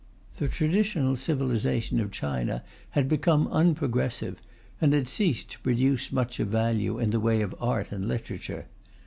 The traditional civilization of China had become unprogressive, and had ceased to produce much of value in the way of art and literature.